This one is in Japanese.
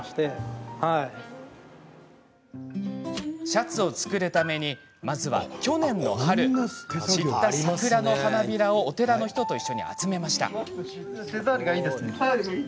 シャツを作るためにまずは去年の春散った桜の花びらをお寺の人と一緒に集めました。